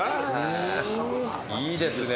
いいですね。